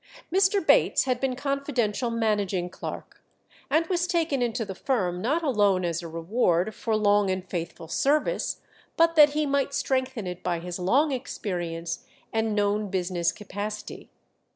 Mr. Bates had been confidential managing clerk, and was taken into the firm not alone as a reward for long and faithful service, but that he might strengthen it by his long experience and known business capacity.